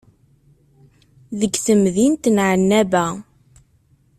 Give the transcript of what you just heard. Deg temdint n Ɛennaba.